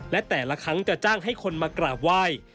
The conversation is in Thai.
และแต่ละครั้งจะจ้างให้คนมากราบไหว้